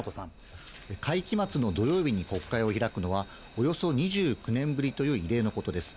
会期末の土曜日に国会を開くのは、およそ２９年ぶりという異例のことです。